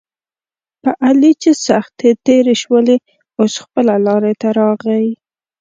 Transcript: په علي چې سختې تېرې شولې اوس خپله لارې ته راغی.